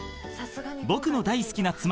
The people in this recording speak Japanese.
［『僕の大好きな妻！』